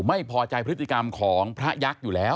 ไม่พอใจพฤติกรรมของพระยักษ์อยู่แล้ว